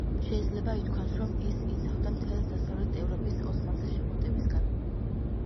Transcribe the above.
შეიძლება ითქვას, რომ ის იცავდა მთელს დასავლეთ ევროპას ოსმალთა შემოტევისგან.